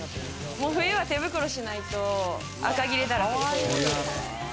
冬は手袋しないとあかぎれだらけ。